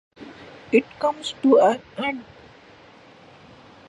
It came to an end.